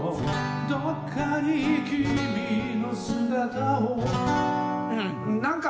どっかに君の姿を」なんか。